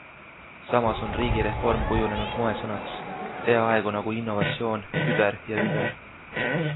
Samas on riigireform kujunenud moesõnaks, peaaegu nagu innovatsioon, küber ja über.